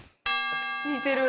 似てる。